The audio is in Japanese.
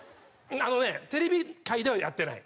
あのねテレビ界ではやってない。